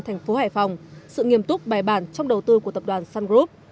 thành phố hải phòng sự nghiêm túc bài bản trong đầu tư của tập đoàn sun group